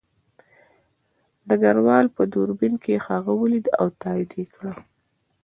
ډګروال په دوربین کې هغه ولید او تایید یې کړه